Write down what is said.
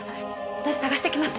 私捜してきます！